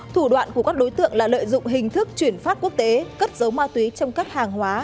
thủ đoạn của các đối tượng là lợi dụng hình thức chuyển phát quốc tế cất dấu ma túy trong các hàng hóa